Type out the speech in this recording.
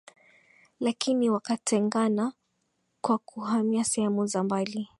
lakini wakatengana kwa kuhamia sehemu za mbali